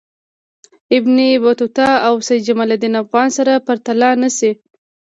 ابن بطوطه او سیدجماالدین افغان سره پرتله نه شي.